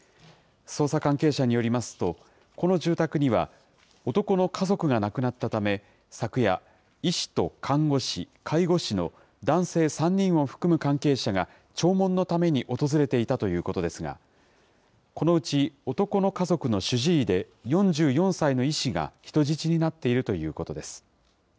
捜査関係者によりますと、この住宅には男の家族が亡くなったため、昨夜、医師と看護師、介護士の男性３人を含む関係者が、弔問のために訪れていたということですが、このうち男の家族の主治医で４４歳の医師が人質になっているということです。